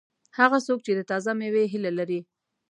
هغه څوک چې د تازه مېوې هیله لري.